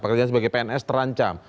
kerja sebagai pns terancam